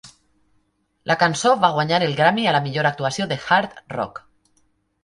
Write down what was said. La cançó va guanyar el Grammy a la millor actuació de Hard Rock.